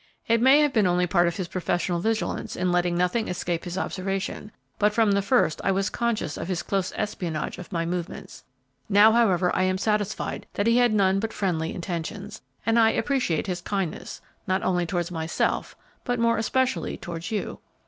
It may have been only part of his professional vigilance in letting nothing escape his observation; but from the first I was conscious of his close espionage of my movements. Now, however, I am satisfied that he had none but friendly intentions, and I appreciate his kindness, not only towards myself, but more especially towards you."